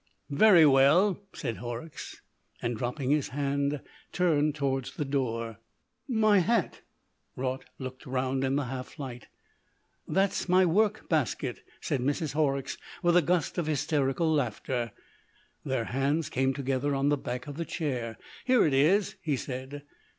"Very well," said Horrocks, and, dropping his hand, turned towards the door. "My hat?" Raut looked round in the half light. "That's my work basket," said Mrs. Horrocks, with a gust of hysterical laughter. Their hands came together on the back of the chair. "Here it is!" he said.